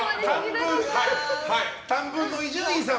短文の伊集院さん